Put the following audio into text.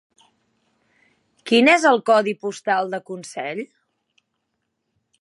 Quin és el codi postal de Consell?